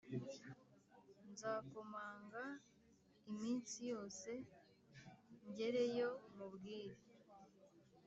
Nzakomanga iminsi yose ngereyo mubwire